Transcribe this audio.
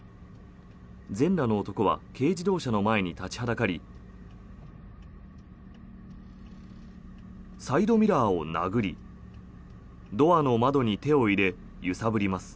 全裸の男は軽自動車の前に立ちはだかりサイドミラーを殴りドアの窓に手を入れ揺さぶります。